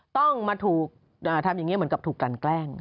ต้องมาถูกทำอย่างนี้เหมือนกับถูกกันแกล้ง